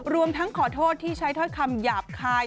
รวมทั้งขอโทษที่ใช้ถ้อยคำหยาบคาย